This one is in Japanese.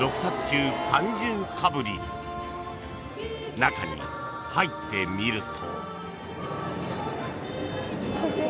［中に入ってみると］